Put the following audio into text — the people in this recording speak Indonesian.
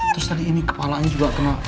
terus tadi ini kepalanya juga kena